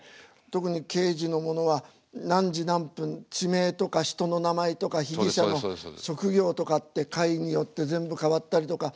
特に刑事のものは何時何分地名とか人の名前とか被疑者の職業とかって回によって全部変わったりとか。